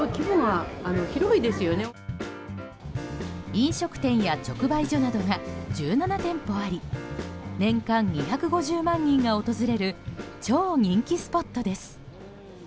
飲食店や直売所などが１７店舗あり年間２５０万人が訪れる超人気スポットです。